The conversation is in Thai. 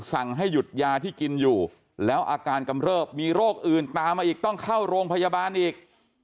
สั่งให้หยุดยาที่กินอยู่แล้วอาการกำเริบมีโรคอื่นตามมาอีกต้องเข้าโรงพยาบาลอีก